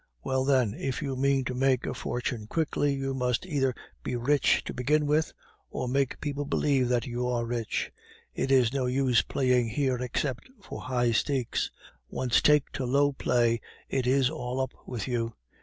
"Well, then, if you mean to make a fortune quickly, you must either be rich to begin with, or make people believe that you are rich. It is no use playing here except for high stakes; once take to low play, it is all up with you.